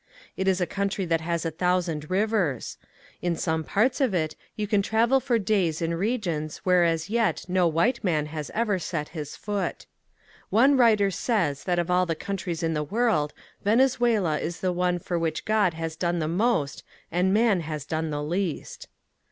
It is a country that has a thousand rivers. In some parts of it you can travel for days in regions where as yet no white man has ever set his foot. One writer says that of all the countries in the world Venezuela is the one for which God has done the most and man has done the least.